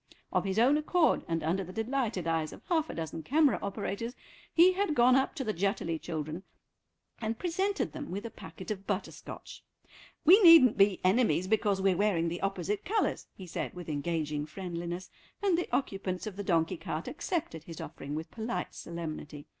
Of his own accord, and under the delighted eyes of half a dozen camera operators, he had gone up to the Jutterly children and presented them with a packet of butterscotch; "we needn't be enemies because we're wearing the opposite colours," he said with engaging friendliness, and the occupants of the donkey cart accepted his offering with polite solemnity.